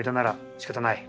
しかたない。